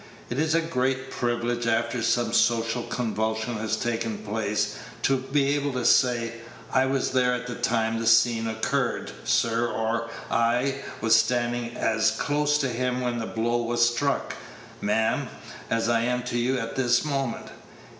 It is a great privilege, after some social convulsion has taken place, to be able to say, "I was there at the time the scene occurred, sir;" or, "I was standing as close to him when the blow was struck, ma'am, as I am to you at this moment."